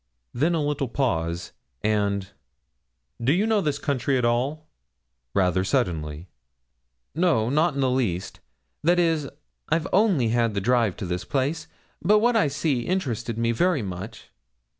Then a little pause, and 'Do you know this country at all?' rather suddenly. 'No, not in the least that is, I've only had the drive to this place; but what I did see interested me very much.'